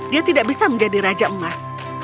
dia tidak bisa menjadi raja emas